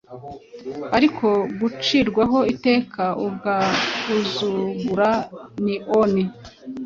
Ariko gucirwaho iteka, agauzuguro, nioni